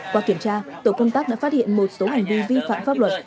qua kiểm tra tổ công tác đã phát hiện một số hành vi vi phạm pháp luật